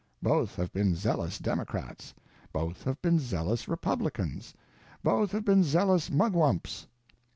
Both have been zealous Democrats; both have been zealous Republicans; both have been zealous Mugwumps.